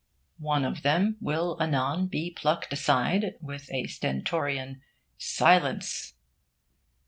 One of them will anon be plucked aside, with a stentorian 'Silence!'